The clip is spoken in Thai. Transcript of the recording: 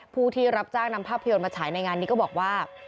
ผู้ที่รับจ้างนำภาพยนตร์มาฉายในงานนี้ก็บอกว่า